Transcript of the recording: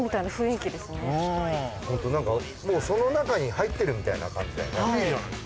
ホントなんかもうその中に入ってるみたいな感じだよね。